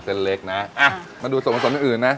เส้นเล็กนะมาดูส่วนผสมอื่นนะ